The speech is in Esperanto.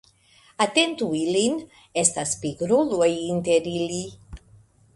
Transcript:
Atentu ilin; estas pigruloj inter ili.